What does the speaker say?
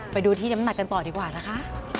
ไปดูที่น้ำหนักกันต่อดีกว่านะคะ